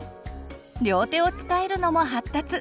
両手を使えるのも発達！